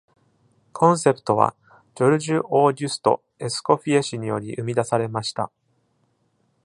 コンセプトはジョルジュ・オーギュスト・エスコフィエ氏により生み出されました。